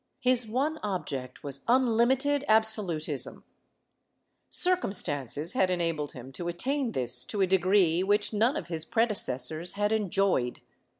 His one object was unlimited absolut ism. Circumstances had enabled him to attain this to a degree which none of his predecessors had enjoyed.